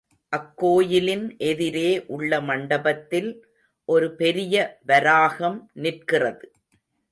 அக்கோயிலின் எதிரே உள்ள மண்டபத்தில் ஒரு பெரிய, வராகம் நிற்கிறது.